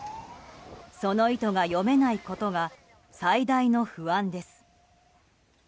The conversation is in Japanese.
その意図が読めないことが最大の不安です。